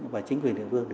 và chính quyền địa phương